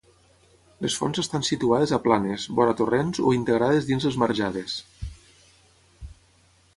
Les fonts estan situades a planes, vora torrents o integrades dins les marjades.